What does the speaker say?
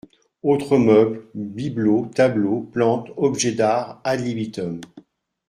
Autres meubles, bibelots, tableaux, plantes, objets d'art ad libitum.